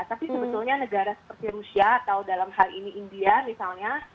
tapi sebetulnya negara seperti rusia atau dalam hal ini india misalnya